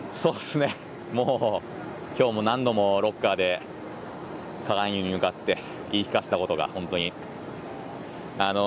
きょうも何度もロッカーで鏡に向かって言い聞かせたことが本当に。